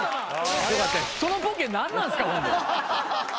そのボケ何なんですか？